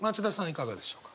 いかがでしょうか？